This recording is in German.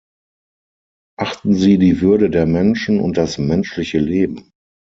Achten Sie die Würde der Menschen und das menschliche Leben!